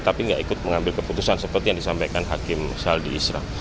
tapi nggak ikut mengambil keputusan seperti yang disampaikan hakim saldi isra